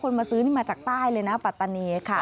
เพียงแต่ว่าคนมาซื้อมาจากใต้เลยปัตตนี